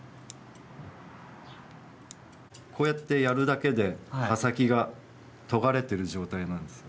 こうやってやるだけで刃先が研がれてる状態なんです。